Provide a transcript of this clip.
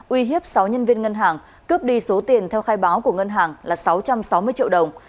uy hiếp sáu nhân viên ngân hàng cướp đi số tiền theo khai báo của ngân hàng là sáu trăm sáu mươi triệu đồng